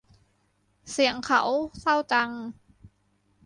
เสียงเขาเศร้าจัง